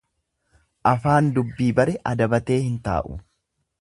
Afaan dubbii bare adabatee hin taa'u.